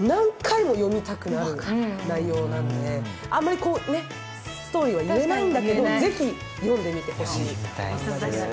何回も読みたくなる内容なのであんまりストーリーは言えないんだけど、ぜひ読んでみてほしいマンガです。